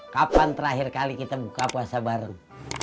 kapan terakhir kali kita buka puasa bareng